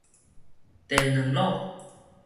茶卵滷